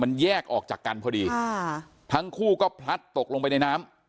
มันแยกออกจากกันพอดีค่ะทั้งคู่ก็พลัดตกลงไปในน้ำ